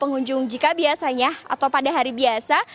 pengunjung jika biasanya atau pada hari biasa